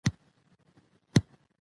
که طالب العلم د علم د زده کړې